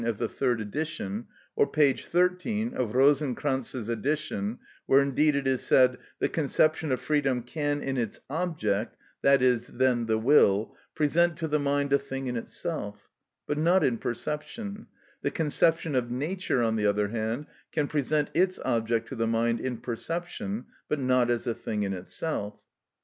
of the third edition, or p. 13 of Rosenkranz's edition, where indeed it is said: "The conception of freedom can in its object (that is then the will) present to the mind a thing in itself, but not in perception; the conception of nature, on the other hand, can present its object to the mind in perception, but not as a thing in itself."